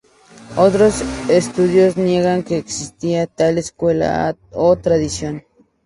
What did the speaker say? Otros estudiosos niegan que exista tal escuela o tradición.